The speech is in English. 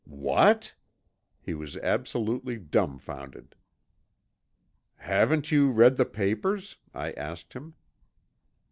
"What!" He was absolutely dumbfounded. "Haven't you read the papers?" I asked him.